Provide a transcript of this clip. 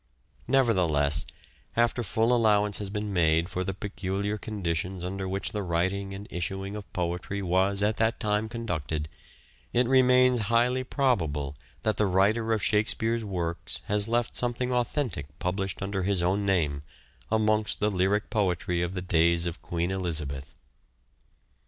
Nevertheless, after full allowance has been made for the peculiar conditions under which the writing and issuing of poetry was at that time conducted, it remains highly probable that the writer of Shakespeare's works has left something authentic published under his own name amongst the lyric poetry of the days of Queen Elizabeth.